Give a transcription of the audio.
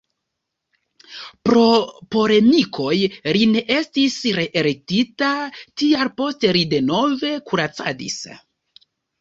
Pro polemikoj li ne estis reelektita, tial poste li denove kuracadis.